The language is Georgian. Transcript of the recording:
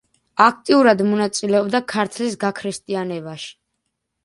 აქტიურად მონაწილეობდა ქართლის გაქრისტიანებაში.